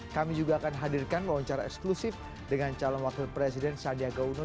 kami juga akan hadirkan wawancara eksklusif dengan calon wakil presiden sandiaga uno